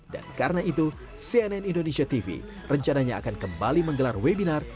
dan karena itu cnn indonesia tv rencananya akan kembali menggelar webinar